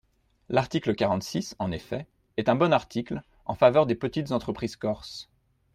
L’article quarante-six, en effet, est un bon article, en faveur des petites entreprises corses.